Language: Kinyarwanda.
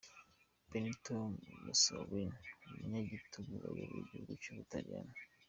Benito Mussolini, umunyagitugu wayoboye igihugu cy’u Butaliyani.